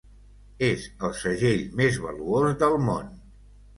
És el segell més valuós del món.